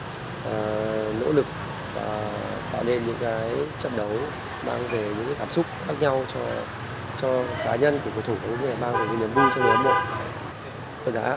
cả đội đã cùng nhau nỗ lực tạo nên những trận đấu mang về những cảm xúc khác nhau cho cá nhân của cổ thủ mang về những niềm vui cho người ấm mộ